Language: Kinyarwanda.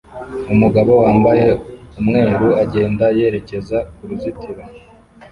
Umugabo wambaye umweru agenda yerekeza kuruzitiro